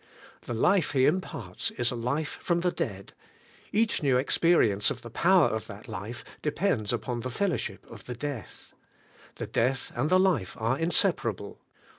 The life He im parts is a life from the dead ; each new experience of the power of that life depends upon the fellowship of the death. The death and the life are inseparable.